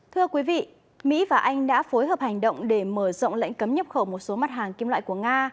thưa quý vị mỹ và anh đã phối hợp hành động để mở rộng lệnh cấm nhập khẩu một số mặt hàng kim loại của nga